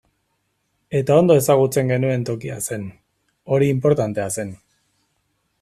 Eta ondo ezagutzen genuen tokia zen, hori inportantea zen.